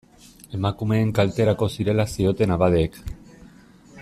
Emakumeen kalterako zirela zioten abadeek.